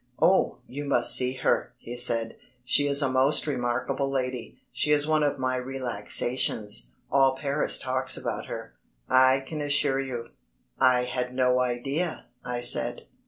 "Oh, you must see her," he said; "she is a most remarkable lady. She is one of my relaxations. All Paris talks about her, I can assure you." "I had no idea," I said.